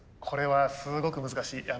これはすごく難しい。